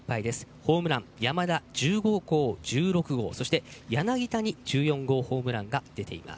ホームランは山田の１５号、１６号そして柳田に１４号ホームランが出ています。